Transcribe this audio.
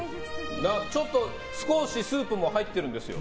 ちょっと少しスープも入ってるんですよ